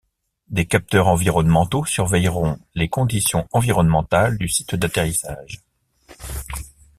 Des capteurs environnementaux surveilleront les conditions environnementales du site d'atterrissage.